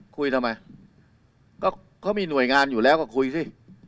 คุยทำไมก็เขามีหน่วยงานอยู่แล้วก็คุยสิ